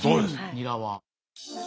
ニラは。